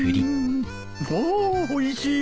おおいしい。